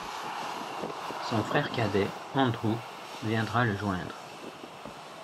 Son frère cadet, Andrew, viendra le joindre.